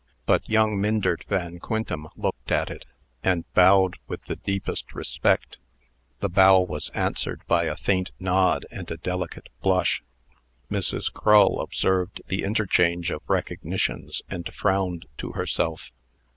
But young Myndert Van Quintem looked at it, and bowed with the deepest respect. The bow was answered by a faint nod and a delicate blush. Mrs. Crull observed the interchange of recognitions, and frowned to herself.